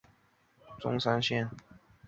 民国五年成立钟山县。